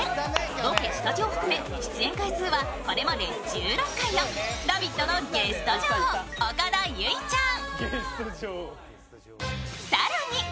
ロケ、スタジオ含め、出演回数はこれまで１６回の「ラヴィット！」のゲスト女王、岡田結実ちゃん。